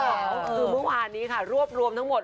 คือเมื่อวานนี้ค่ะรวบรวมทั้งหมด